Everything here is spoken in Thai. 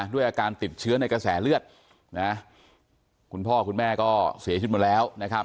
ด้วยอาการติดเชื้อในกระแสเลือดนะคุณพ่อคุณแม่ก็เสียชีวิตหมดแล้วนะครับ